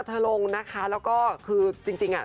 ทรงนะคะแล้วก็คือจริง